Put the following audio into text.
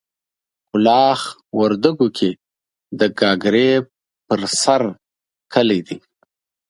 کلاخ وردګو کې د ګاګرې په سر کلی دی.